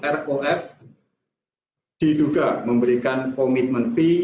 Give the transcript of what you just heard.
rof diduga memberikan komitmen fee